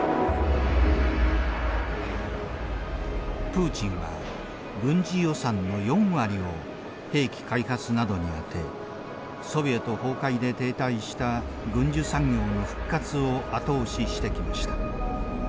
プーチンは軍事予算の４割を兵器開発などに充てソビエト崩壊で停滞した軍需産業の復活を後押ししてきました。